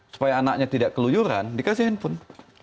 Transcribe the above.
supaya anaknya tidak keluyuran dikasih handphone